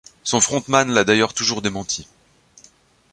Son frontman l'a d'ailleurs toujours démenti.